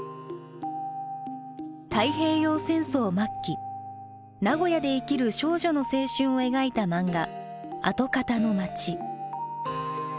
太平洋戦争末期名古屋で生きる少女の青春を描いた漫画「あとかたの街」。